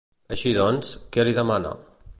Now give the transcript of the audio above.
Així doncs, què li demana?